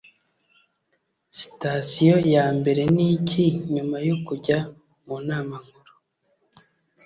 Sitasiyo Yambere Niki Nyuma yo Kujya mu Nama Nkuru?